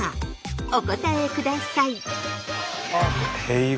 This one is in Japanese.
お答えください。